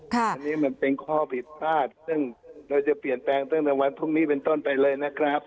แทนหนูมันเป็นข้อผิดพลาดทั้งแต่จะเปลี่ยนแปลงตั้งแต่วันพรุ่งนี้นะครับ